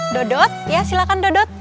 dodot ya silahkan dodot